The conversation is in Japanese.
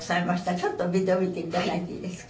ちょっとビデオ見ていただいていいですか？